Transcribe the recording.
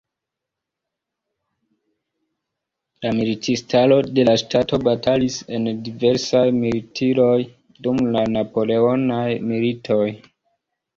La militistaro de la ŝtato batalis en diversaj militiroj dum la Napoleonaj Militoj.